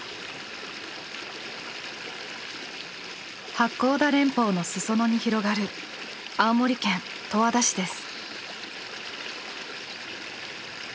八甲田連峰の裾野に広がる青森県十和田市です。